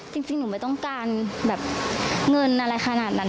จริงหนูไม่ต้องการแบบเงินอะไรขนาดนั้น